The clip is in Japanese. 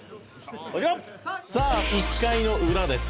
「さあ１回のウラです」